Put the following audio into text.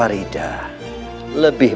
bapak tidak boleh